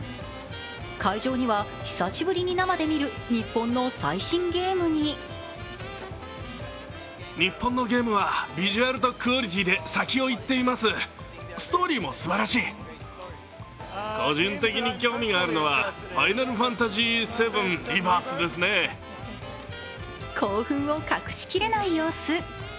会場には、久しぶりに生で見る日本の最新ゲームに興奮を隠し切れない様子。